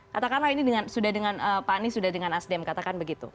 katakanlah ini dengan sudah dengan pak anies sudah dengan asdem katakan begitu